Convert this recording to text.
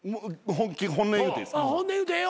本音言うてええよ。